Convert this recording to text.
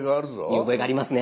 見覚えがありますね。